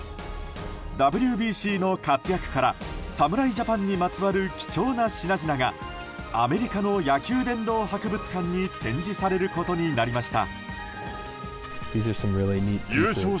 ＷＢＣの活躍から侍ジャパンにまつわる貴重な品々がアメリカの野球殿堂博物館に展示されることになりました。